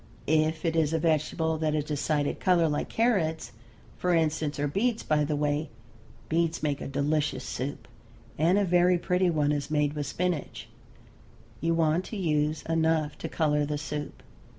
If it is a vegetable that has a decided color like carrots, for instance, or beets, by the way, beets make a delicious soup, and a very pretty one is made with spinach, you want to use enough to color the soup.